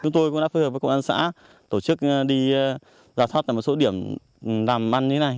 chúng tôi cũng đã phối hợp với công an xã tổ chức đi giả soát tại một số điểm làm ăn như thế này